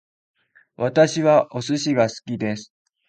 私はお寿司が好きです